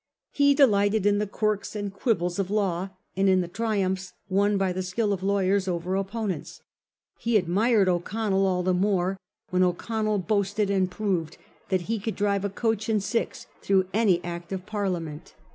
He de lighted in the quirks and quibbles of law, and in the triumphs won by the skill of lawyers over opponents. He admired O'Connell all the more when O'Connell boasted and proved that he could drive a coach and six through any Act of Parliament.